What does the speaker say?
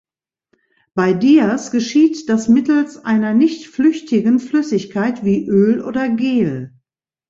Bei Dias geschieht das mittels einer nicht flüchtigen Flüssigkeit wie Öl oder Gel.